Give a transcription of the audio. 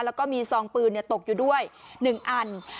แล้วก็มีซองปืนตกอยู่ด้วย๑อัน